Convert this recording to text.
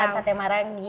mau makan kate marangi